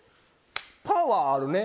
パワーあるね